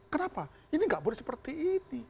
kenapa ini tidak boleh seperti ini